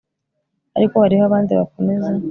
ariko hariho abandi bakomeza